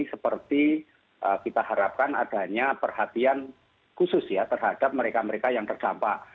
seperti kita harapkan adanya perhatian khusus ya terhadap mereka mereka yang terdampak